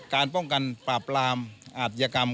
การป้องกันปราบรามอาธิกรรม